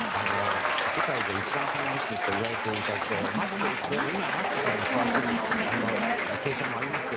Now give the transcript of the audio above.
世界で一番金持ちといわれていた人で今はマスクさんに変わっているという計算もありますが。